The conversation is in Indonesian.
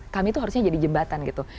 kami itu harusnya jadi jembatan gitu